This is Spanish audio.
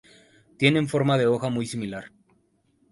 Tienen forma de hoja muy similar.